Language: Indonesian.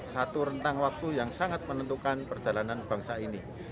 satu rentang waktu yang sangat menentukan perjalanan bangsa ini